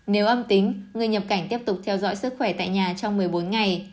nếu âm tính người nhập cảnh tiếp tục theo dõi sức khỏe tại nhà trong một mươi bốn ngày